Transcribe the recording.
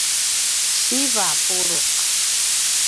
siva a pulu’